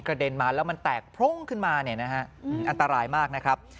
กระเด็นมาแล้วมันแตกพร้อมขึ้นมาอันตรายมากนะครับ